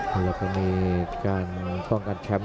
แล้วก็ในการท่องการแชมป์